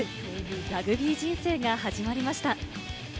ラグビー人生が始まりました。